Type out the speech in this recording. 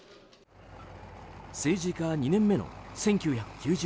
政治家２年目の１９９０年